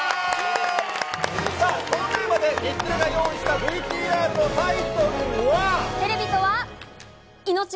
さあ、このテーマで日テレが用意したＶＴＲのタイトルは。